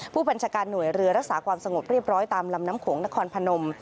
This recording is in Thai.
ผู้บัญชาการหน่วยเรือรักษาความสงบเรียบร้อยตามลำน้ำโขงนครพนม